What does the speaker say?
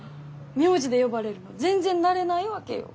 名字で呼ばれるの全然慣れないわけよ。